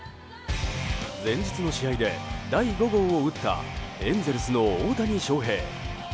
前日の試合で第５号を打ったエンゼルスの大谷翔平。